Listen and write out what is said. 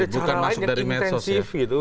ada cara lain yang intensif gitu